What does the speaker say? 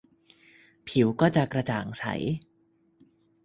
ผิวก็จะกระจ่างใส